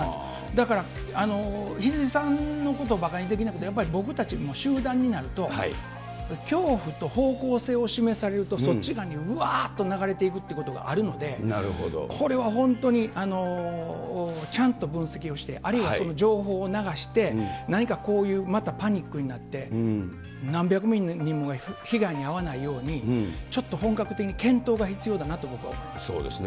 だから、羊さんのことをばかにできなくて、やっぱり僕たちも集団になると、恐怖と方向性を示されると、そっち側にうわーっと流れていくということがあるので、これは本当にちゃんと分析をして、あるいはその情報を流して、何かこういうまたパニックになって、何百人もが被害に遭わないように、ちょっと本格的に検討が必要だなそうですね。